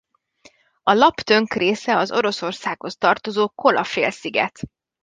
A Lapp-tönk része az Oroszországhoz tartozó Kola-félsziget.